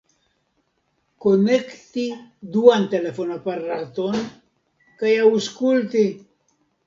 Konekti duan telefonaparaton kaj aŭskulti.